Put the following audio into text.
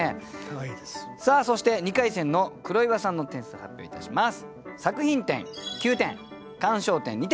さあそして２回戦の黒岩さんの点数発表いたします。